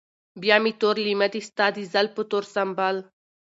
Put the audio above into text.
بيا مې تور لېمه دي ستا د زلفو تور سنبل